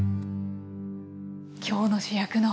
今日の主役の。